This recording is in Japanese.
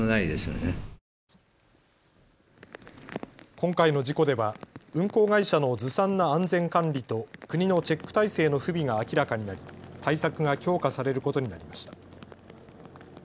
今回の事故では運航会社のずさんな安全管理と国のチェック体制の不備が明らかになり対策が強化されることになりました。